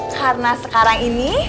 karena sekarang ini